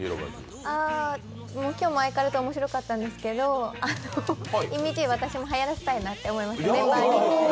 今日も相変わらず面白かったんですけどいみじー、私もはやらせたいなと思いました。